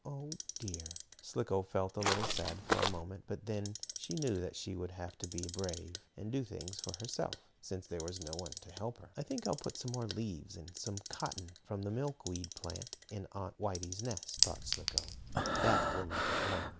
Oh dear!" Slicko felt a little sad for a moment, but then she knew that she would have to be brave, and do things for herself, since there was no one to help her. "I think I'll put some more leaves, and some cotton from the milkweed plant, in Aunt Whitey's nest," thought Slicko. "That will make it warmer."